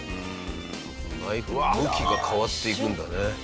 ナイフの向きが変わっていくんだね。